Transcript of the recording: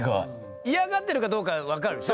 嫌がってるかどうかは分かるでしょ？